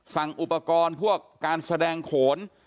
สั่งอุปกรณ์พวกการแสดงโขน